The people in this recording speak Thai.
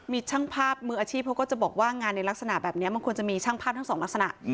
มีช่างภาพมืออาชีพเขาก็จะบอกว่างานในลักษณะแบบนี้มันควรจะมีช่างภาพทั้งสองลักษณะ